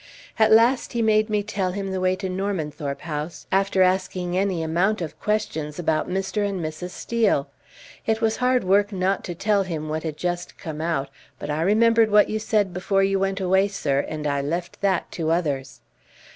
At last he made me tell him the way to Normanthorpe House, after asking any amount of questions about Mr. and Mrs. Steel; it was hard work not to tell him what had just come out, but I remembered what you said before you went away, sir, and I left that to others."